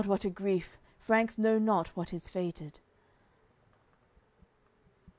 what a grief. Franks know not what is fated.